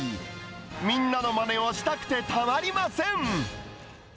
みんなのまねをしたくてたまりません。